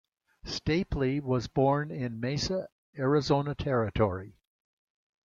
Stapley was born in Mesa, Arizona Territory.